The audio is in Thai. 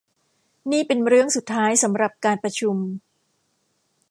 นี่เป็นเรื่องสุดท้ายสำหรับการประชุม